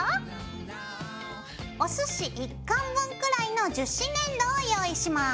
おすし１カン分くらいの樹脂粘土を用意します。